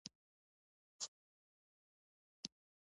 په خپله کورنۍ او قبیله کې هم پر چا بدګومان شو.